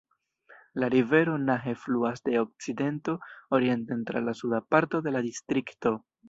La rivero Nahe fluas de okcidento orienten tra la suda parto de la distrikto.